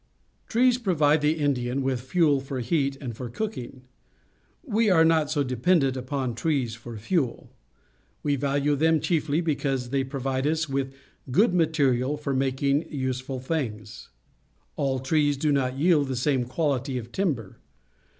— Trees provide the In dian with fuel for heat and for cooking. We are not so dependent upon trees for fuel. We value them chiefly because they provide us with good material for making useful things. All trees do not yield the same quality of timber.